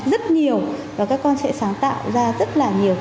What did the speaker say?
rất nhiều và các con sẽ sáng tạo ra rất là nhiều